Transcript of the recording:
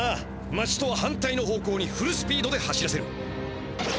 町とは反対の方向にフルスピードで走らせる。